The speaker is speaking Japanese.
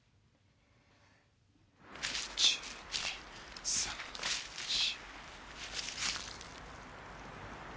１・２・３・４。